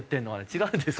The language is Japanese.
違うんですか？